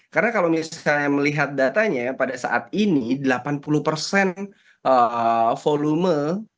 karena kalau misalnya melihat datanya pada saat ini delapan puluh volume